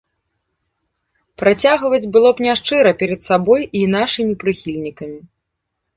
Працягваць было б няшчыра перад сабой і нашымі прыхільнікамі.